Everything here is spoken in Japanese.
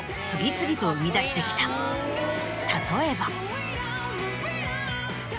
例えば。